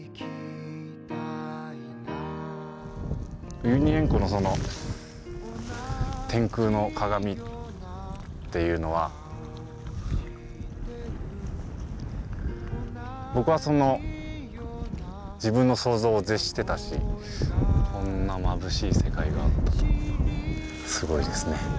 ウユニ塩湖の天空の鏡っていうのは僕はその自分の想像を絶してたしこんなまぶしい世界があったとはすごいですね。